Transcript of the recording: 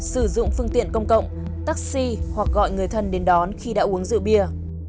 sử dụng phương tiện công cộng taxi hoặc gọi người thân đến đón khi đã uống rượu bia